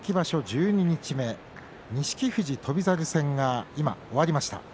十二日目錦富士、翔猿戦が今終わりました。